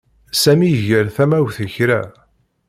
Sami iger tamawt i kra.